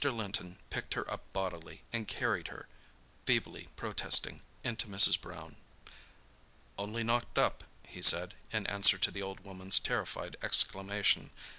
Linton picked her up bodily and carried her, feebly protesting, into Mrs. Brown. "Only knocked up," he said, in answer to the old woman's terrified exclamation.